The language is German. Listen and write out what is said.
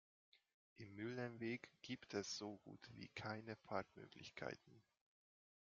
Im Mühlenweg gibt es so gut wie keine Parkmöglichkeiten.